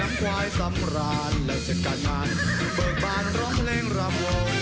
เอาไปดูกันกันครับ